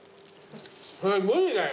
それ無理だよ